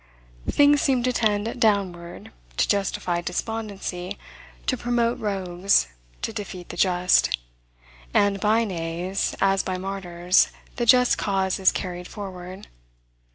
Things seem to tend downward, to justify despondency, to promote rogues, to defeat the just; and, by knaves, as by martyrs, the just cause is carried forward.